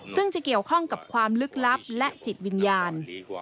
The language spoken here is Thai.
ซึ่งจะเกี่ยวข้องกับความลึกลับและจิตวิญญาณ